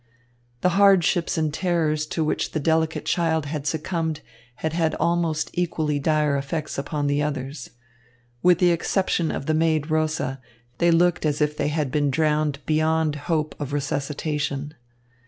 The hardships and terrors to which the delicate child had succumbed had had almost equally dire effects upon the others. With the exception of the maid Rosa, they looked as if they had been drowned beyond hope of resuscitation.